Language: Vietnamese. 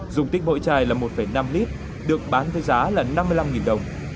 dùng tích bội chai là một năm lit được bán với giá là năm mươi năm đồng